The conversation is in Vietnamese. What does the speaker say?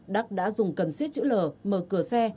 đắc đã dùng cần siết chữ l mở cửa xe